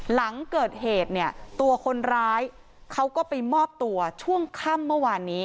หลังเกิดเหตุเนี่ยตัวคนร้ายเขาก็ไปมอบตัวช่วงค่ำเมื่อวานนี้